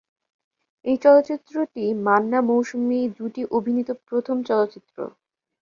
এই চলচ্চিত্রটি "মান্না-মৌসুমী" জুটি অভিনীত প্রথম চলচ্চিত্র।